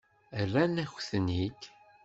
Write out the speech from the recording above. Rran-akent-ten-id.